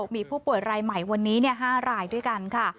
มีผู้ป่วยรายใหม่วันนี้๕รายด้วยกันค่ะ